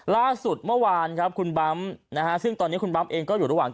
ล่าสุดเมื่อวานครับคุณบั๊มนะฮะซึ่งตอนนี้คุณบั๊มเองก็อยู่ระหว่าง